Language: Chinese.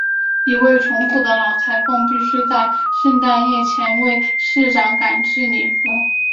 一位穷苦的老裁缝必须在圣诞夜前为市长赶制礼服。